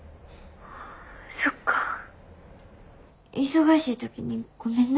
そっか忙しい時にごめんな。